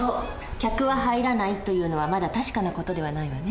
「客は入らない」というのはまだ確かな事ではないわね。